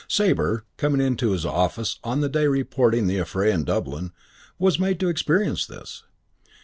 Sabre, coming into his office on the day reporting the affray in Dublin, was made to experience this.